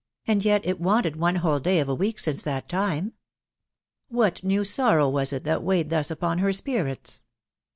and yet it wanted one whole day of a week since that time. What new sorrow was it that weighed thus upon her spirits